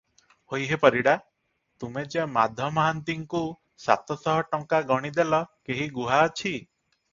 ହୋଇ ହେ ପରିଡ଼ା! ତୁମେ ଯେ ମାଧ ମହାନ୍ତିଙ୍କୁ ସାତ ଶହ ଟଙ୍କା ଗଣିଦେଲ, କେହି ଗୁହା ଅଛି?